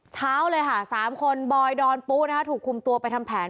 เช้าเลยค่ะ๓คนบอยดอนปุ๊นะคะถูกคุมตัวไปทำแผน